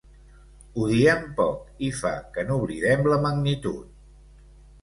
Ho diem poc i fa que n’oblidem la magnitud.